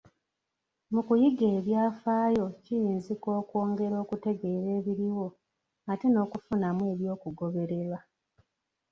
Mu kuyiga ebyafaayo kiyinzika okweyongera okutegeera ebiriwo, ate n'okufunamu eby'okugobererwa.